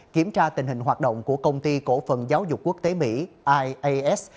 kiểm tra tình hình hoạt động của công ty cổ phần giáo dục quốc tế mỹ ias